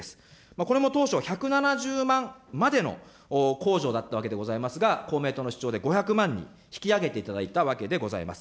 これも当初、１７０万までの控除だったわけでございますが、公明党の主張で５００万に引き上げていただいたわけでございます。